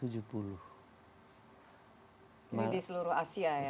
jadi di seluruh asia ya